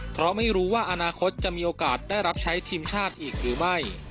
เพราะไม่รู้ว่าอนาคตจะมีโอกาสได้รับใช้ทีมชาติอีกหรือไม่